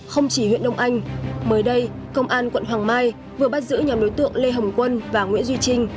không chỉ huyện đông anh mới đây công an quận hoàng mai vừa bắt giữ nhóm đối tượng lê hồng quân và nguyễn duy trinh